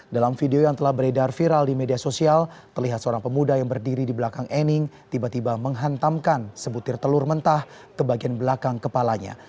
dalam video yang telah beredar viral di media sosial terlihat seorang pemuda yang berdiri di belakang ening tiba tiba menghantamkan sebutir telur mentah ke bagian belakang kepalanya